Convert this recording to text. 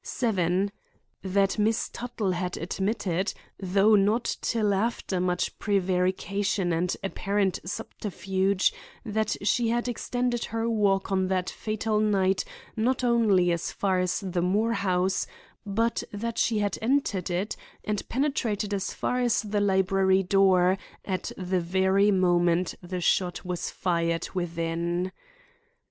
7. That Miss Tuttle had admitted, though not till after much prevarication and apparent subterfuge, that she had extended her walk on that fatal night not only as far as the Moore house, but that she had entered it and penetrated as far as the library door at the very moment the shot was fired within.